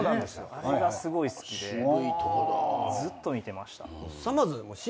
あれがすごい好きでずっと見てました。